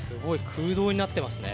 空洞になってますね